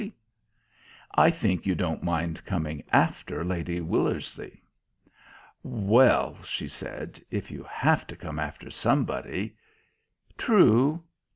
"I think you don't mind coming after Lady Willersey." "Well," she said, "if you have to come after somebody " "True."